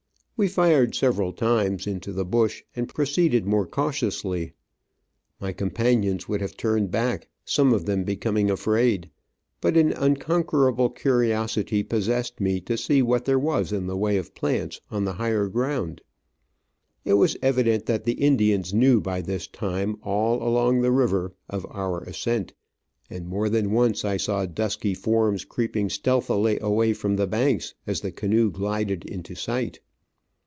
We fired several times into the bush, and proceeded more cautiously. My companions would have turned back, some of them becoming afraid, but an unconquerable curiosity possessed me to see what there was in the way of Digitized by VjOOQIC 1 66 Travels and Adventures plants on the higher ground. It was evident that the Indians knew by this time, all along the river, of our a:scent, and more than once I saw dusky forms creeping stealthily away from the banks as the canoe glided into sight.